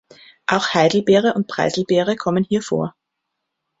Auch Heidelbeere und Preiselbeere kommen hier vor.